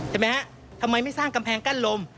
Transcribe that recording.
ทำไมฮะทำไมไม่สร้างกำแพงกั้นลม